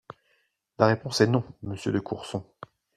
La réponse est non, monsieur de Courson.